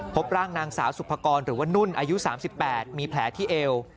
พบร่างนางสาวสุภกรหรือว่านุ่นอายุ๓๘มีแผลที่เอว